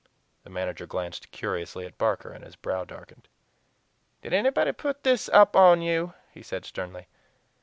The manager glanced curiously at Barker, and his brow darkened. "Did anybody put this up on you?" he said sternly.